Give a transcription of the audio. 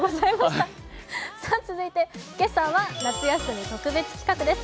続いて今朝は夏休み特別企画です。